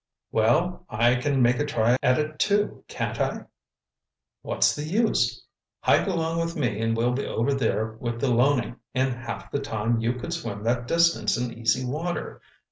"Well, I can make a try at it, too, can't I?" "What's the use? Hike along with me and we'll be over there with the Loening in half the time you could swim that distance in easy water.